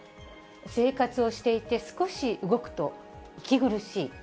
生活をしていて少し動くと息苦しい。